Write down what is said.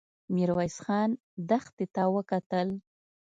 ميرويس خان دښتې ته وکتل.